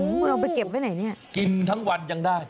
คุณเอาไปเก็บไว้ไหนเนี่ยกินทั้งวันยังได้